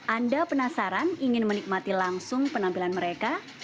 anda penasaran ingin menikmati langsung penampilan mereka